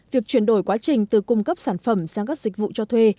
việc chuyển đổi quá trình từ cung cấp sản phẩm sang các dịch vụ cho thuê